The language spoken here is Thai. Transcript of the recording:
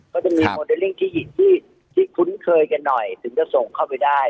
ก็จะมีโมเดลลิ่งที่หยิบที่คุ้นเคยกันหน่อยถึงจะส่งเข้าไปได้